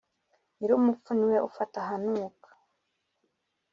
Nyirumupfu ni we ufata ahanuka.